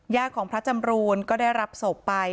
ของพระจำรูนก็ได้รับศพไป